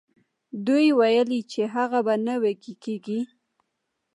دوی ويل چې هغه به نه وغږېږي.